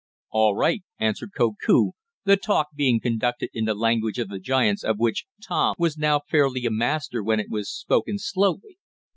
"All right," answered Koku, the talk being conducted in the language of the giants of which Tom was now fairly a master when it was spoken slowly.